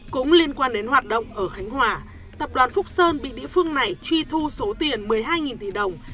cũng liên quan đến hoạt động ở khánh hòa tập đoàn phúc sơn bị địa phương này truy thu số tiền một mươi hai tỷ đồng